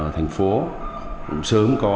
thành phố sớm có